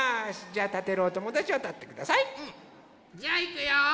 じゃあたてるおともだちはたってください。じゃあいくよ。